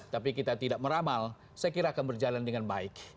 tapi kita tidak meramal saya kira akan berjalan dengan baik